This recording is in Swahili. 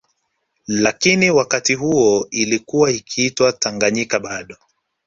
Lakini wakati huo ilikuwa ikiitwa Tanganyika bado